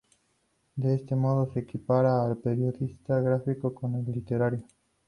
De este modo, se equipara al periodista gráfico con el literario.